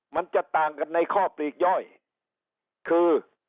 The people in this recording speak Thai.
มันจะต่างกันในข้อปลีกย่อยคือ